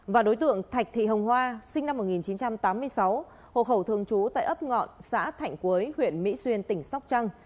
và đối tượng thạch thị hồng hoa sinh năm một nghìn chín trăm tám mươi sáu hộ khẩu thường trú tại ấp ngọn xã thạnh quấy huyện mỹ xuyên tỉnh sóc trăng